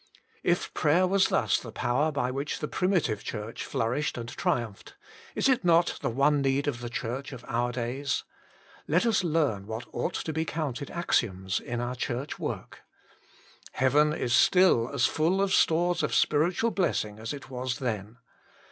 If prayer was thus the power by which the Primitive Church flourished and triumphed, is it not the one need of the 30 THE MINISTRY OF INTERCESSION Church of our days ? Let us learn what ought to be counted axioms in our Church work : Heaven is still as full of stores of spiritual blessing as it was then.